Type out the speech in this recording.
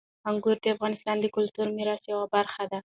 انګور د افغانستان د کلتوري میراث یوه برخه ده.